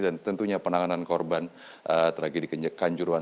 dan tentunya penanganan korban tragedi kanjuruan